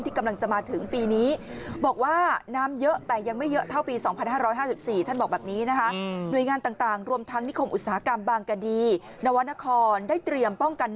ที่กำลังจะมาถึงปีนี้